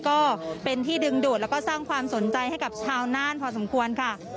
ก็เป็นที่ดึงดูดแล้วก็สร้างความสนใจให้กับชาวนานพอสมควรค่ะ